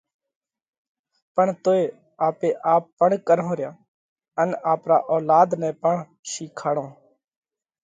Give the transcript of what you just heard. پڻ توئي آپي آپ پڻ ڪرونه ريا ان آپرا اولاڌ نئہ پڻ شِيکاڙونه